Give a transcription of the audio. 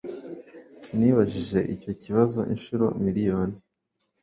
Nibajije icyo kibazo inshuro miriyoni